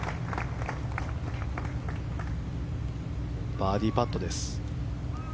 バーディーパットです。